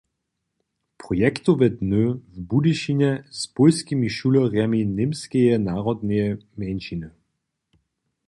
- projektowe dny w Budyšinje z pólskimi šulerjemi němskeje narodneje mjeńšiny